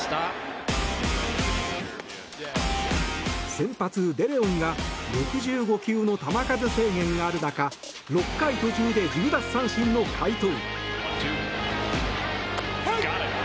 先発、デレオンが６５球の球数制限がある中６回途中で１０奪三振の快投。